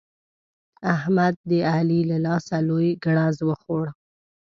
احمد د علي له لاسه لوی ګړز وخوړ.